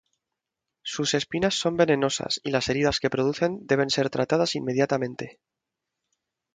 Sus espinas son venenosas y las heridas que producen deben ser tratadas inmediatamente.